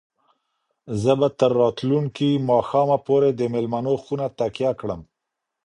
زه به تر راتلونکي ماښامه پورې د مېلمنو خونه تکیه کړم.